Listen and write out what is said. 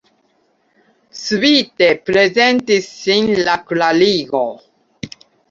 Subite prezentis sin la klarigo.